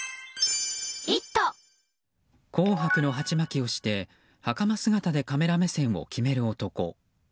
紅白の鉢巻きをしてはかま姿でカメラ目線を決める男。